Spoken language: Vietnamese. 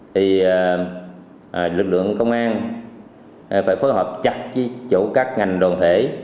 thì lực lượng công an phải phối hợp chặt với chủ các ngành đoàn thể